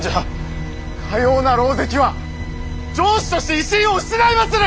かような狼藉は城主として威信を失いまする！